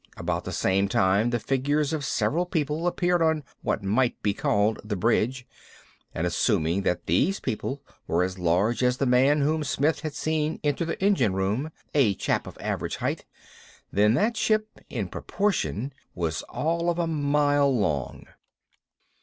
About the same time the figures of several people appeared on what might be called the bridge; and assuming that these people were as large as the man whom Smith had seen enter the engine room a chap of average height then that ship, in proportion, was all of a mile long!